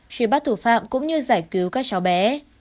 truy bắt thủ phạm cũng như giải cứu các cháu bé